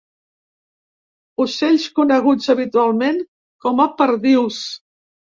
Ocells coneguts habitualment com a perdius.